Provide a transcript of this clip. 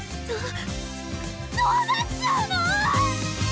どどうなっちゃうの⁉